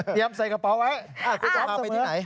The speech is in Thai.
ใส่กระเป๋าไว้คุณจะพาไปที่ไหน